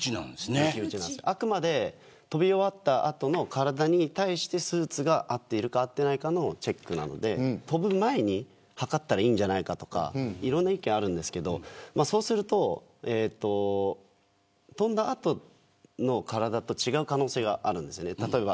あくまで飛び終わった後の体に対してスーツがあっているかあっていないかのチェックなので飛ぶ前に測ったらいいんじゃないかとかいろんな意見があるんですけどそうすると飛んだ後の体と違う可能性があるんです。